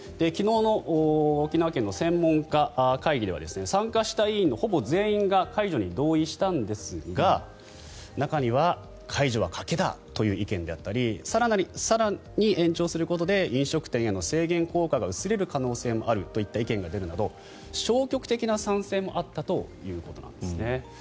昨日の沖縄県の専門家会議では参加した委員のほぼ全員が解除に同意したんですが中には、解除は賭けだという意見であったり更に延長することで飲食店への制限効果が薄れる可能性もあるといった意見が出るなど消極的な賛成もあったということなんですね。